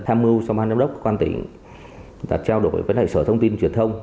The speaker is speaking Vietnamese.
tham mưu xong hành động đốc quan tỉnh đã trao đổi với sở thông tin truyền thông